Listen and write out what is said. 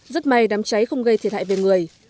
rất may đám cháy không gây thiệt hại về người